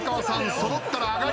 揃ったら上がり。